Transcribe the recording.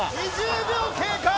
２０秒経過！